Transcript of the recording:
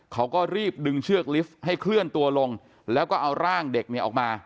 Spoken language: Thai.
เขาก็รีบดึงเชือกลิฟต์ให้เคลื่อนตัวลงแล้วก็เอาร่างเด็กเนี่ยออกมา